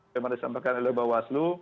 memang disampaikan oleh bawaslu